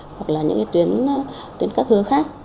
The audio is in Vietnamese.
hoặc là những tuyến các hứa khác